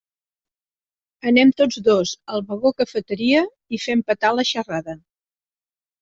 Anem tots dos al vagó cafeteria i fem petar la xerrada.